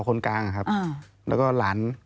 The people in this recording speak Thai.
คนกลางครับแล้วก็หลาน